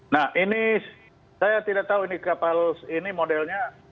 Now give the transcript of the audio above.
nah ini saya tidak tahu ini kapal ini modelnya